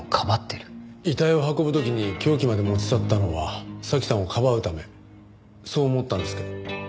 遺体を運ぶ時に凶器まで持ち去ったのは早紀さんをかばうためそう思ったんですけど。